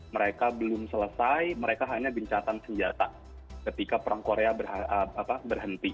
mereka belum selesai mereka hanya gencatan senjata ketika perang korea berhenti